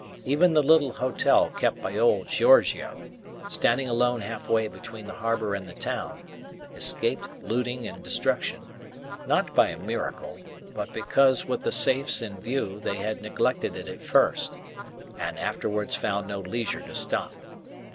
Even the little hotel kept by old Giorgio, standing alone halfway between the harbour and the town, escaped looting and destruction, not by a miracle, but because with the safes in view they had neglected it at first, and afterwards found no leisure to stop.